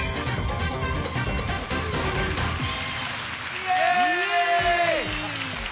イエイ！